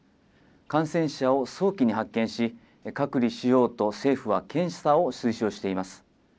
感染者を早期に発見し、隔離しようと、政府は検査を推奨しています。